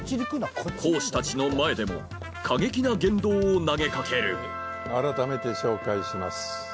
講師たちの前でも過激な言動を投げ掛ける改めて紹介します。